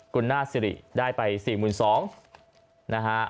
คุณนาศิริได้ไป๔๒๐๐๐บาท